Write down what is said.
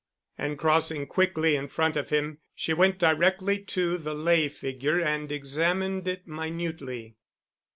And crossing quickly in front of him she went directly to the lay figure and examined it minutely.